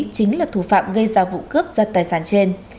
chính là thủ phạm gây ra vụ cướp giật tài sản trên